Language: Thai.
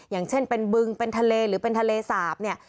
อย่างเช่นเป็นบึงเป็นทะเลหรือเป็นทะเลสาบเนี่ย